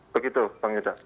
begitu bang irsya